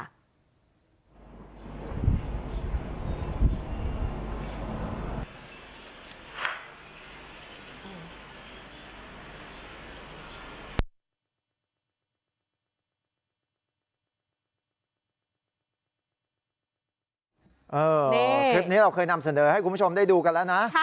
นี่คลิปนี้เราเคยนำเสนอให้คุณผู้ชมได้ดูกันแล้วนะ